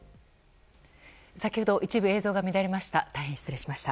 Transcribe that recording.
先ほど一部映像が乱れました。